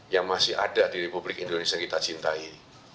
yang masih ada di republik indonesia yang kita cintai